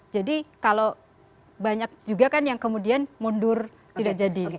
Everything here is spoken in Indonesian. jadi kalau banyak juga kan yang kemudian mundur tidak jadi